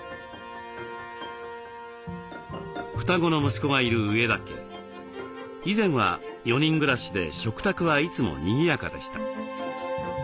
双子の息子がいる上田家以前は４人暮らしで食卓はいつもにぎやかでした。